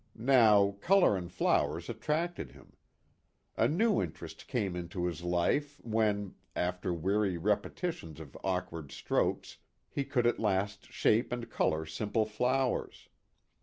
Now, color and flowers attracted him. A new interest came into his life when, after weary repetitions of awkward strokes, he could at last shape and color simple flowers.